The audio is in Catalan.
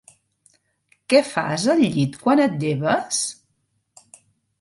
Què fas al llit quan et lleves?